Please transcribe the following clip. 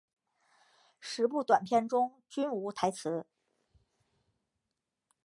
十部短片中均无台词。